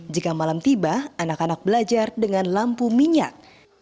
jika malam tiba anak anak belajar dengan lampu minyak